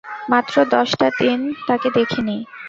মাত্র দশটা দিন তাকে দেখিনি।